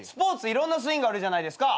いろんなスイングあるじゃないですか。